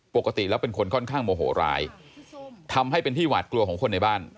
ปกติแล้วเป็นคนค่อนข้างโมโหร้ายทำให้เป็นที่หวาดกลัวของคนในบ้าน